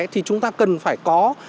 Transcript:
thì chúng ta cần phải có